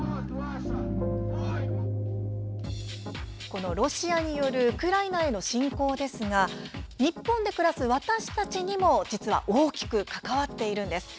このロシアによるウクライナへの侵攻ですが日本で暮らす私たちにも実は大きく関わっているんです。